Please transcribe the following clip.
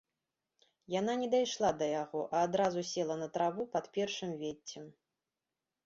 Яна не дайшла да яго, а адразу села на траву пад першым веццем.